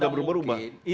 ya itu tidak mungkin